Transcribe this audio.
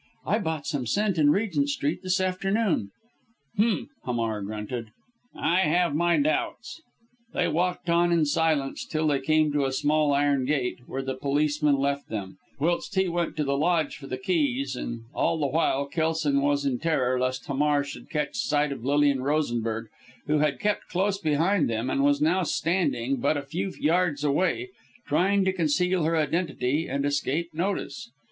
"I bought some scent in Regent Street this afternoon." "Humph," Hamar grunted. "I have my doubts." They walked on in silence till they came to a small iron gate, where the policemen left them, whilst he went to the lodge for the keys; and all the while Kelson was in terror, lest Hamar should catch sight of Lilian Rosenberg, who had kept close behind them, and was now standing, but a few yards away, trying to conceal her identity and escape notice.